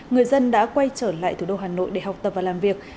người dân đã quay trở lại thủ đô hà nội để học tập và làm việc